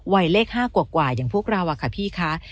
วัยเลข๕กว่าอย่างพวกเราอะค่ะพี่คะ